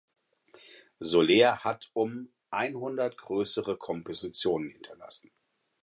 Soler hat um einhundert größere Kompositionen hinterlassen.